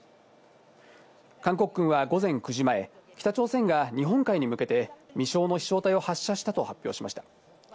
韓国軍は午前９時前、北朝鮮が日本海に向けて未詳の飛翔体を発射したと発表しました。